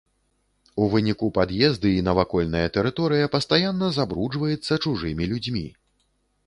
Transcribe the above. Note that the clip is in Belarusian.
У выніку пад'езды і навакольная тэрыторыя пастаянна забруджваецца чужымі людзьмі.